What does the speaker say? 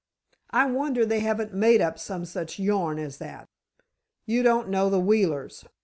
I wonder they haven't made up some such yarn as that." "You don't know the Wheelers.